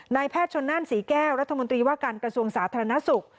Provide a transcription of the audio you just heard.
แพทย์ชนนั่นศรีแก้วรัฐมนตรีว่าการกระทรวงสาธารณสุข